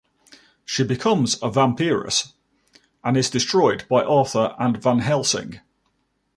She becomes a vampiress and is destroyed by Arthur and Van-Helsing.